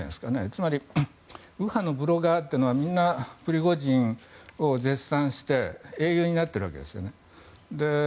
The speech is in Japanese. つまり右派のブロガーというのはみんなプリゴジンを絶賛して英雄になってるわけです。